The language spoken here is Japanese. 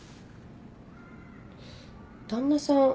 旦那さん